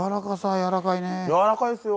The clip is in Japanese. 柔らかいですよ。